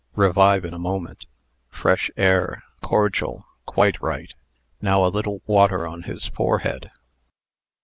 Revive in a moment. Fresh air. Cordial, Quite right. Now a little water on his forehead."